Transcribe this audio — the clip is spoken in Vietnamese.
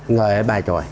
người bài tròi